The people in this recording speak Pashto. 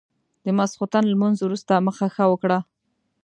د ماسخوتن لمونځ وروسته مخه ښه وکړه.